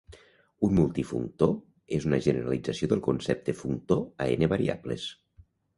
Un multifunctor és una generalització del concepte functor a "n" variables.